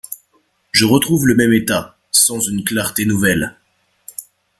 Je retrouve le même état, sans une clarté nouvelle.